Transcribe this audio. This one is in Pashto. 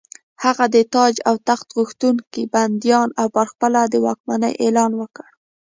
هغه د تاج او تخت غوښتونکي بندیان او په خپله د واکمنۍ اعلان وکړ.